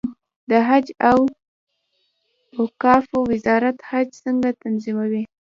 د حج او اوقافو وزارت حج څنګه تنظیموي؟